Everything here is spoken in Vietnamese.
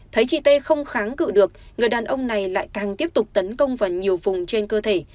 thấy chị tê không kháng cự được người đàn ông này lại càng tiếp tục tấn công vào nhiều vùng trên cơ thể